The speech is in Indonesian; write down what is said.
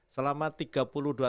selama tiga puluh dua tahun